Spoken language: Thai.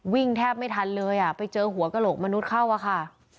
แทบไม่ทันเลยอ่ะไปเจอหัวกระโหลกมนุษย์เข้าอะค่ะ